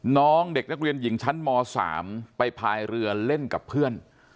น้องเด็กนักเรียนหญิงชั้นม๓ไปพายเรือเล่นกับเพื่อน